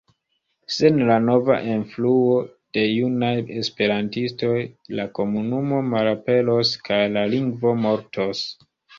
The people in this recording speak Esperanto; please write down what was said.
Sen la nova enfluo de junaj esperantistoj, la komunumo malaperos kaj la lingvo mortos.